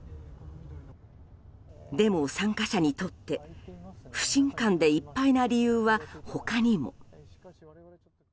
デモ参加者にとって不信感でいっぱいな理由は他にも。